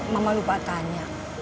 mama lupa tanya